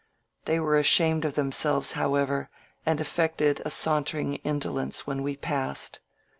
They were ashamed of them selves, however, and affected a sauntering indolence when we passed.